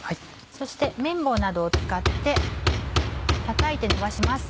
そしてめん棒などを使ってたたいて伸ばします。